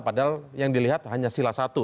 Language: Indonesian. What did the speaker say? padahal yang dilihat hanya sila satu